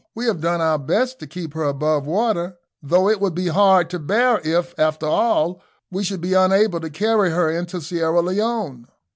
"We have done our best to keep her above water, though it would be hard to bear if, after all, we should be unable to carry her into Sierra Leone."